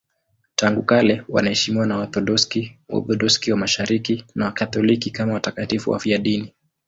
Tangu kale wanaheshimiwa na Waorthodoksi, Waorthodoksi wa Mashariki na Wakatoliki kama watakatifu wafiadini.